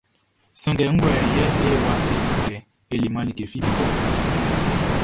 Sanngɛ ngue yɛ e waan é sé kɛ e leman like fi bɔbɔ ɔ?